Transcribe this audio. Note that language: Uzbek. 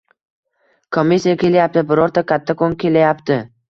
komissiya kelayapti, birorta kattakon kelayapti».